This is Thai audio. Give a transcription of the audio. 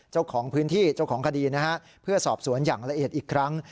เจ้าของพื้นที่เจ้าของคดีนะฮะเพื่อสอบสวนอย่างละเอียดอีกครั้ง